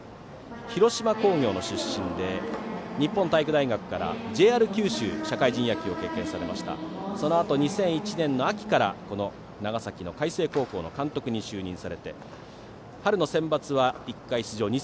広島工業の出身で日本体育大学からＪＲ九州、社会人野球を経験されて２００１年秋から長崎の海星高校の監督に就任されて春のセンバツは１回出場